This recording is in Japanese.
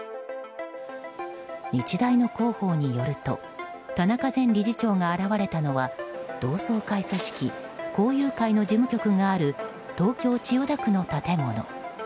日大の広報によると田中前理事長が現れたのは同窓会組織、校友会の事務局がある東京・千代田区の建物。